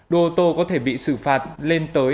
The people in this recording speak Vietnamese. đô tô có thể bị xử phạt lên tới hai triệu đồng